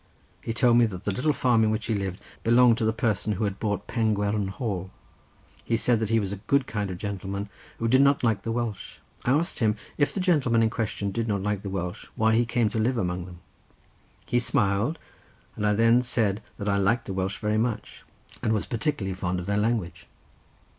He told me that the little farm in which he lived belonged to the person who had bought Pengwern Hall. He said that he was a good kind of gentleman, but did not like the Welsh. I asked him if the gentleman in question did not like the Welsh why he came to live among them. He smiled, and I then said that I liked the Welsh very much, and was particularly fond of their language.